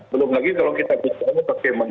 belum lagi kalau kita bicara bagaimana